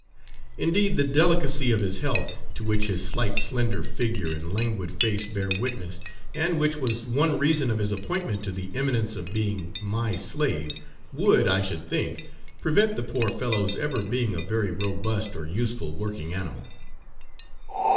Indeed the delicacy of his health, to which his slight slender figure and languid face bear witness, and which was one reason of his appointment to the eminence of being 'my slave,' would, I should think, prevent the poor fellow's ever being a very robust or useful working animal.